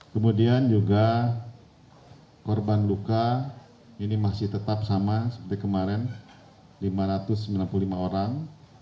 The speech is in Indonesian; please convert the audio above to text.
kemudian juga korban luka ini masih tetap sama seperti kemarin lima ratus sembilan puluh lima orang